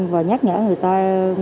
và nhắc nhở người ta có bệnh phúc gì